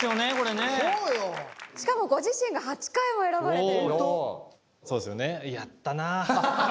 しかもご自身が８回も選ばれてる。